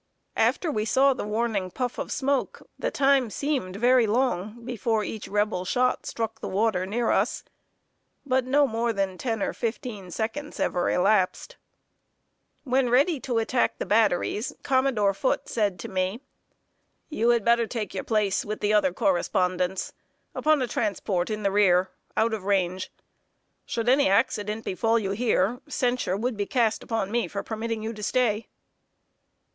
After we saw the warning puff of smoke, the time seemed very long before each Rebel shot struck the water near us; but no more than ten or fifteen seconds ever elapsed. When ready to attack the batteries, Commodore Foote said to me: "You had better take your place with the other correspondents, upon a transport in the rear, out of range. Should any accident befall you here, censure would be cast upon me for permitting you to stay."